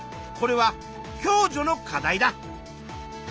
これは共助の課題だ。